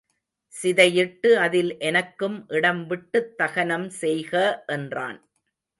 சிதையிட்டு அதில் எனக்கும் இடம் விட்டுத் தகனம் செய்க என்றான்.